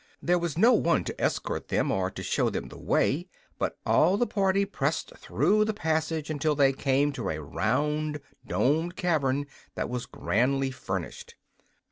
There was no one to escort them, or to show them the way, but all the party pressed through the passage until they came to a round, domed cavern that was grandly furnished.